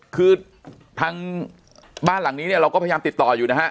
คือทางบ้านหลังนี้เนี่ยเราก็พยายามติดต่ออยู่นะฮะ